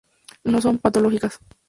No son patológicas.